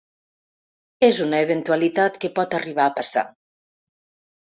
És una eventualitat que pot arribar a passar.